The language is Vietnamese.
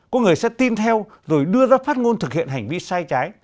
có người sẽ tin theo rồi đưa ra phát ngôn thực hiện hành vi sai trái